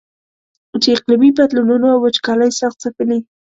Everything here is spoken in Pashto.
چې اقلیمي بدلونونو او وچکالۍ سخت ځپلی.